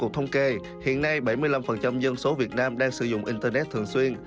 theo thông kê hiện nay bảy mươi năm dân số việt nam đang sử dụng internet thường xuyên